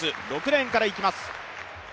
６レーンからいきます。